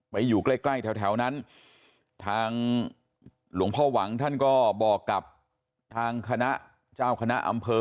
อยู่ใกล้ใกล้แถวนั้นทางหลวงพ่อหวังท่านก็บอกกับทางคณะเจ้าคณะอำเภอ